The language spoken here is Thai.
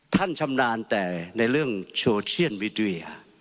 ท่านชำนาญแต่ในเรื่องโชเชียนวิดวิยา